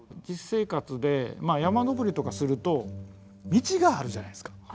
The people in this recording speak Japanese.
実生活で山登りとかすると道があるじゃないですか。